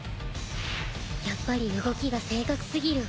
やっぱり動きが正確すぎる。